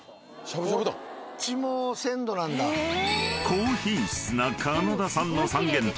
［高品質なカナダ産の三元豚］